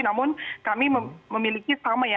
namun kami memiliki sama ya